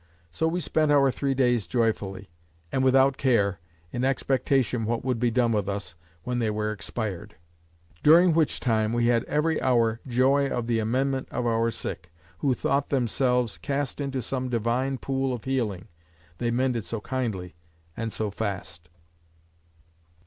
So we spent our three days joyfully, and without care, in expectation what would be done with us, when they were expired. During which time, we had every hour joy of the amendment of our sick; who thought themselves cast into some divine pool of healing; they mended so kindly, and so fast.